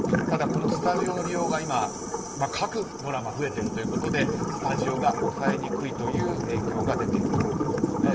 ただ、スタジオの利用が各ドラマ増えているということでスタジオが抑えにくいという影響が出ているということです。